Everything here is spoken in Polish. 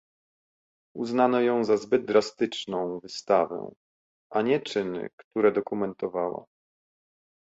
Uznano ją za zbyt drastyczną - wystawę, a nie czyny, które dokumentowała